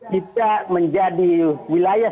tidak menjadi wilayah